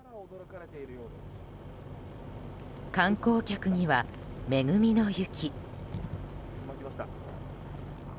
観光客には恵みの雪。